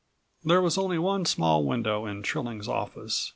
4 There was only one small window in Trilling's office.